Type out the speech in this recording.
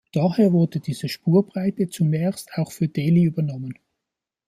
Daher wurde diese Spurbreite zunächst auch für Delhi übernommen.